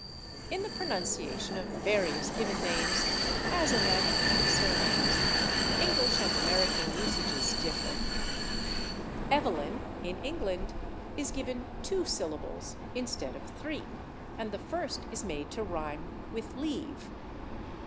In the pronunciation of various given names, as in that of many surnames, English and American usages differ. /Evelyn/, in England, is given two syllables instead of three, and the first is made to rhyme with /leave